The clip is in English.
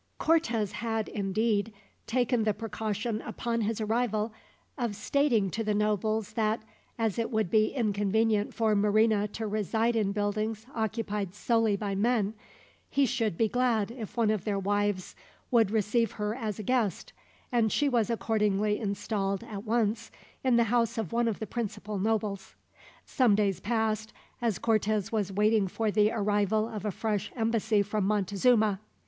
Cortez had, indeed, taken the precaution upon his arrival of stating to the nobles that, as it would be inconvenient for Marina to reside in buildings occupied solely by men, he should be glad if one of their wives would receive her as a guest; and she was accordingly installed, at once, in the house of one of the principal nobles. Some days passed, as Cortez was waiting for the arrival of a fresh embassy from Montezuma.